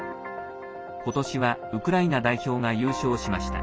ことしは、ウクライナ代表が優勝しました。